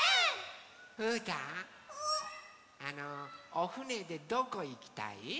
おふねでどこいきたい？